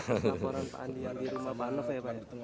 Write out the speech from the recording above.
laporan pak andi yang di rumah pak nove ya pak